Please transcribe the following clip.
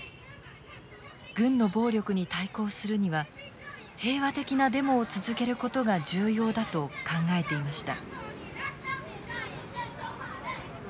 軍の暴力に対抗するには平和的なデモを続けることが重要だと考えていました。